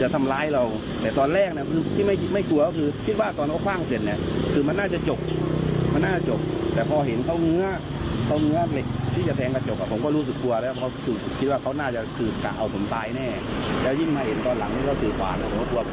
แต่ตอนแรกที่หนีเร็วไม่ได้ตั้งใจจะตั้งหน้ารถติด